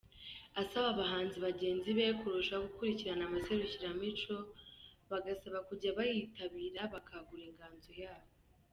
Asaba abahanzi bagenzi be kurushaho gukurikirana amaserukiramuco bagasaba kujya bayitabira bakangura inganzo yabo.